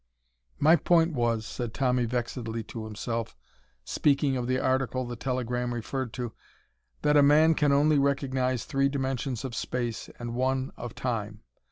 "My point was," said Tommy vexedly to himself, speaking of the article the telegram referred to, "that a man can only recognize three dimensions of space and one of time.